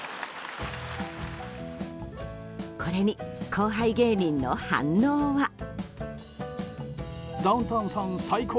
これに、後輩芸人の反応は？